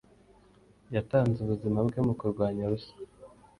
Yatanze ubuzima bwe mu kurwanya ruswa